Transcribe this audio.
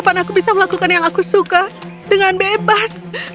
kapan aku bisa melakukan yang aku suka dengan bebas